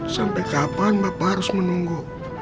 sampai kapan bapak harus menunggu